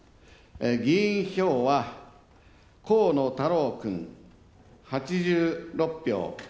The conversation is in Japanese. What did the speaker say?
議員票は河野太郎君、８６票。